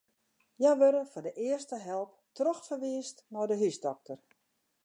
Hja wurde foar de earste help trochferwiisd nei de húsdokter.